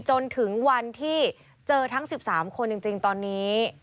จนถึงวันที่เจอทั้ง๑๓คนจริงตอนนี้